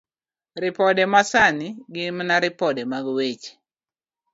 Ripode Masani Gin mana ripode mag weche.